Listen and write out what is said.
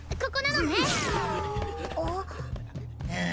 ここなのね？